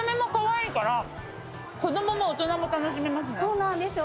そうなんですよ。